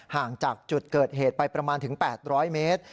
ห่างจากจุดเกิดเหตุไปประมาณถึง๘๐๐เมตร